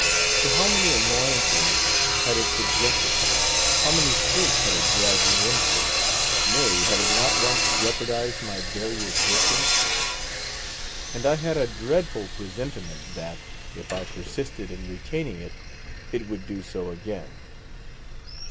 To how many annoyances had it subjected me? How many scrapes had it dragged me into? Nay, had it not once jeopardised my very existence? And I had a dreadful presentiment that, if I persisted in retaining it, it would do so again.